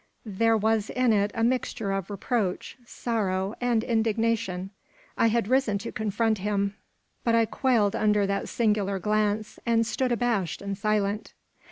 There was in it a mixture of reproach, sorrow, and indignation. I had risen to confront him, but I quailed under that singular glance, and stood abashed and silent.